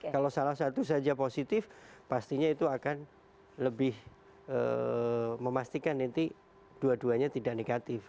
kalau salah satu saja positif pastinya itu akan lebih memastikan nanti dua duanya tidak negatif